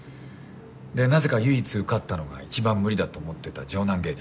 でなぜか唯一受かったのが一番無理だと思ってた城南芸大。